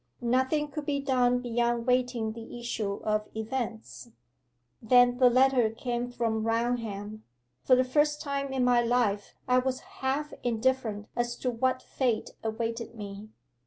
Nothing could be done beyond waiting the issue of events. Then the letter came from Raunham. For the first time in my life I was half indifferent as to what fate awaited me.